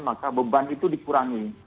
maka beban itu dikurangi